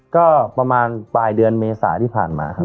ก็ประมาณปลายเดือนเมษาที่ผ่านมาครับ